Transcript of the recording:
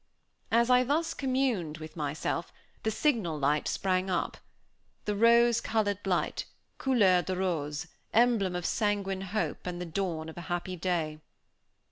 As I thus communed with myself, the signal light sprang up. The rose colored light, couleur de rose, emblem of sanguine hope and the dawn of a happy day.